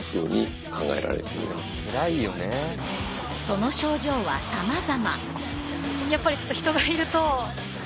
その症状はさまざま。